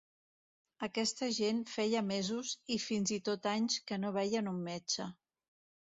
Aquesta gent feia mesos i fins i tot anys que no veien un metge.